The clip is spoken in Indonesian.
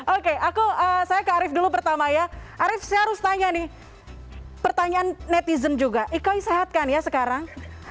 oke saya ke arief dulu pertama ya arief saya harus tanya nih pertanyaan netizen juga ikoi sehatkan ya sekarang